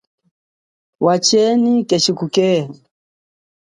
Wachenyi keshi kukeha.